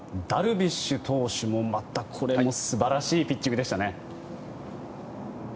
ダルビッシュ投手もまたこれも素晴らしいピッチングでしたね。